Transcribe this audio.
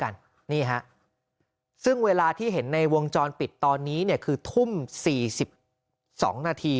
นี่ฮะซึ่งเวลาที่เห็นในวงจรปิดตอนนี้เนี่ยคือทุ่ม๔๒นาที